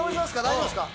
大丈夫ですか？